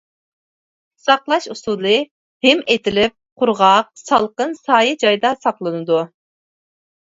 ساقلاش ئۇسۇلى: ھىم ئېتىلىپ قۇرغاق سالقىن، سايە جايدا ساقلىنىدۇ.